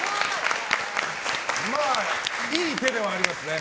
いい手ではありますね。